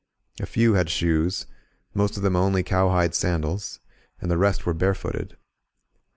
A few had shoes, most of them only cowhide sandals, and the rest were barefooted.